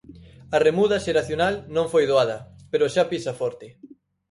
A remuda xeracional non foi doada, pero xa pisa forte.